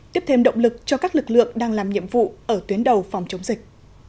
tiếp thêm động lực cho các lực lượng đang làm nhiệm vụ ở tuyến đầu phòng chống dịch